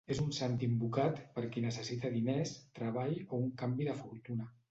És un sant invocat per qui necessita diners, treball o un canvi de fortuna.